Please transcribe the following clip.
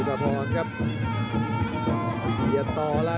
พยาบกระแทกมัดเย็บซ้าย